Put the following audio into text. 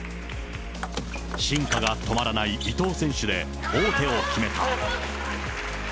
進化が止まらない伊藤選手で王手を決めた。